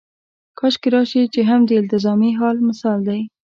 کاشکې راشي هم د التزامي حال مثال دی.